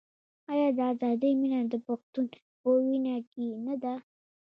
آیا د ازادۍ مینه د پښتون په وینه کې نه ده؟